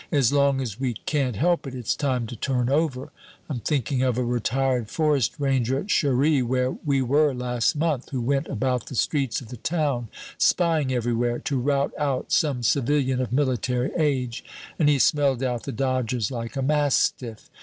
As long as we can't help it, it's time to turn over. I'm thinking of a retired forest ranger at Cherey, where we were last month, who went about the streets of the town spying everywhere to rout out some civilian of military age, and he smelled out the dodgers like a mastiff.